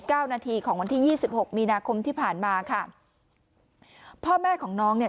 เก้านาทีของวันที่ยี่สิบหกมีนาคมที่ผ่านมาค่ะพ่อแม่ของน้องเนี่ย